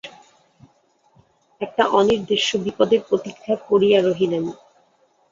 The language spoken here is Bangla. একটা অনির্দেশ্য বিপদের প্রতীক্ষা করিয়া রহিলেন।